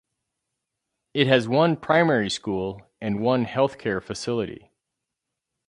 It has one primary school and one healthcare facility.